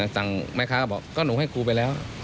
ทางแม่ค้าก็บอกก็หนูให้ครูไปแล้ว